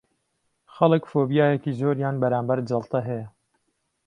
خەڵک فۆبیایەکی زۆریان بەرامبەر جەڵتە هەیە